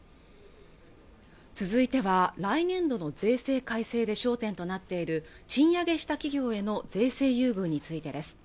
続いては来年度の税制改正で焦点となっている賃上げした企業への税制優遇についてです